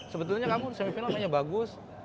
sebetulnya kamu semifinal mainnya bagus